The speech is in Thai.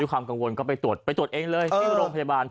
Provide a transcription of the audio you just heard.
ด้วยความกังวลก็ไปตรวจเองเลยที่โรงพยาบาล